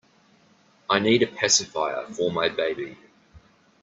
I need a pacifier for my baby.